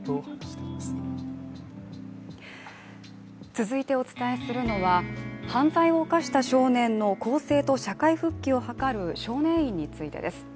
続いてお伝えするのは、犯罪を犯した少年の更生と社会復帰を図る少年院についてです。